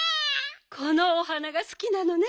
このお花がすきなのね。